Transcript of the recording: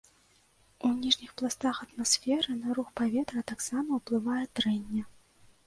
У ніжніх пластах атмасферы на рух паветра таксама ўплывае трэнне.